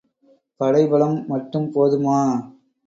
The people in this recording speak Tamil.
படை பலம் மட்டும் போதுமா?